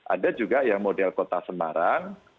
ada juga yang model kota semarang